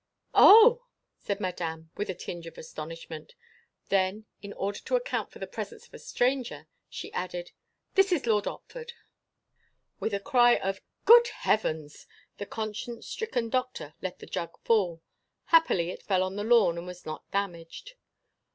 "Oh!" said Madame, with a tinge of astonishment. Then, in order to account for the presence of a stranger, she added, "This is Lord Otford." With a cry of "Good Heavens!" the conscience stricken Doctor let the jug fall. Happily it fell on the lawn and was not damaged.